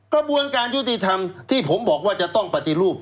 กระบวนการยุติธรรมที่ผมบอกว่าจะต้องปฏิรูป